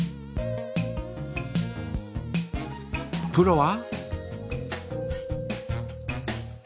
プロは？